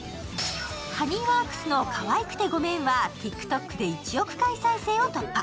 ＨｏｎｅｙＷｏｒｋｓの「可愛くてごめん」はＴｉｋＴｏｋで１億回再生を突破。